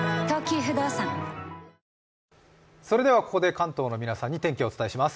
関東の皆さんに天気をお伝えします。